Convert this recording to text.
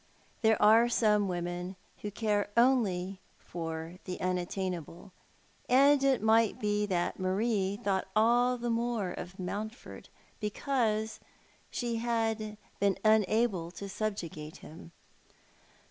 There are some women who care only for the unattainable; and it might be that Marie thought all the more of Mountford because she had been unable to subjugate him.